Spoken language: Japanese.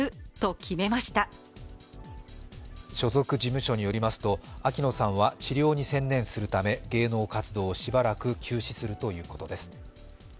所属事務所によりますと、秋野さんは治療に専念するため芸能活動をしばらく休止するということです。